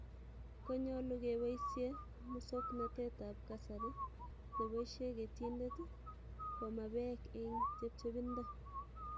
konyolu keboisye musoknatetab kasari ne boisye ketindet komaa beek eng chepchebindo.